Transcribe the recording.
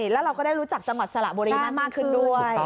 แล้วเราก็ได้รู้จักจังหวัดสระบุรีมากขึ้นด้วย